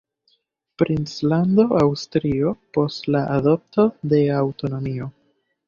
Princlando Asturio, post la adopto de aŭtonomio.